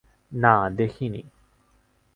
না, দেখিনি।